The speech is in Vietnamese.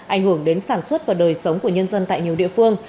ảnh hưởng đến sản xuất và đời sống của nhân dân tại nhiều địa phương